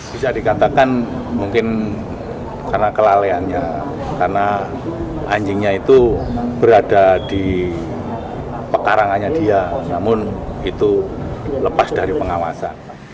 bisa dikatakan mungkin karena kelalaiannya karena anjingnya itu berada di pekarangannya dia namun itu lepas dari pengawasan